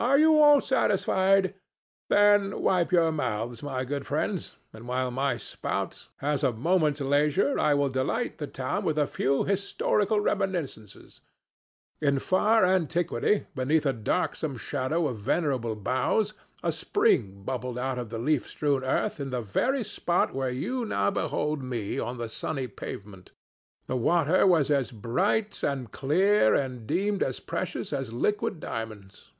Are you all satisfied? Then wipe your mouths, my good friends, and while my spout has a moment's leisure I will delight the town with a few historical remniscences. In far antiquity, beneath a darksome shadow of venerable boughs, a spring bubbled out of the leaf strewn earth in the very spot where you now behold me on the sunny pavement. The water was as bright and clear and deemed as precious as liquid diamonds.